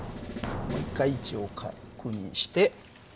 もう一回位置を確認して。